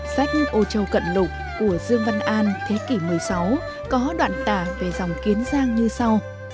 sách ô châu cận lục của dương văn an thế kỷ một mươi sáu có đoạn tả về dòng kiến giang như sau